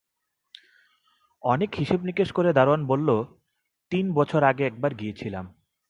অনেক হিসাব-নিকাশ করে দারোয়ান বলল, তিন বছর আগে একবার গিয়েছিলাম।